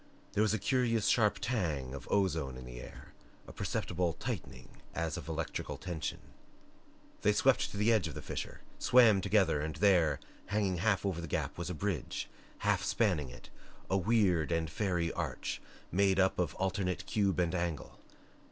There was a curious sharp tang of ozone in the air, a perceptible tightening as of electrical tension. They swept to the edge of the fissure, swam together, and there, hanging half over the gap was a bridge, half spanning it, a weird and fairy arch made up of alternate cube and angle.